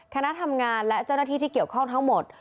คณะทำงานและเจ้าหน้าที่ที่เกี่ยวข้องทั้งหมด